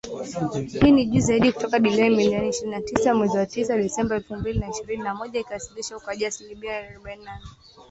hii ni juu zaidi kutoka dola milioni ishirini na tisa ya tarehe tisa mwezi Disemba elfu mbili na ishirini na moja, ikiwasilisha ukuaji wa asilimia arobaini na nne